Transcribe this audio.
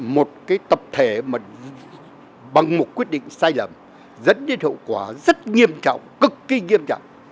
một cái tập thể mà bằng một quyết định sai lầm dẫn đến hậu quả rất nghiêm trọng cực kỳ nghiêm trọng